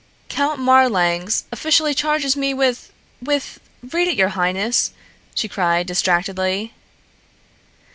"Count Marlanx officially charges me with with Read it, your highness," she cried distractedly.